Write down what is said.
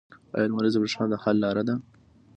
آیا لمریزه بریښنا د حل لاره ده؟